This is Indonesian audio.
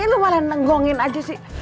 lu malah nenggongin aja sih